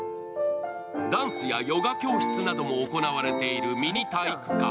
ダンスやヨガ教室なども行われているミニ体育館。